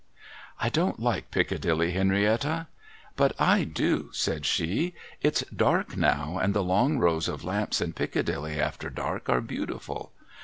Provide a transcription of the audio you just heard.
' I don't Hke Piccadilly, Henrietta.' ' But I do,' said she. ' It's dark now, and the long rows of lamps in Piccadilly after dark are beautiful.